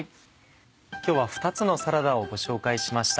今日は２つのサラダをご紹介しました。